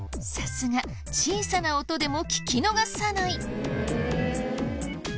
さすが小さな音でも聞き逃さない。